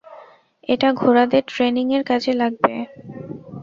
এটা ঘোড়াদের ট্রেইনিংয়ের কাজে লাগবে।